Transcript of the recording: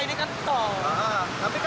nanti lewat situ